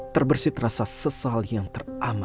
terbersih terasa sesal yang teramat